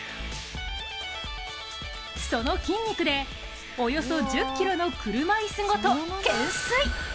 その筋肉で、およそ１０ｋｇの車いすごと懸垂。